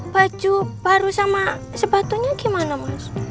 baju baru sama sepatunya gimana mas